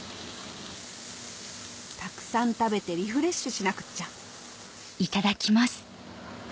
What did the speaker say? たくさん食べてリフレッシュしなくっちゃ！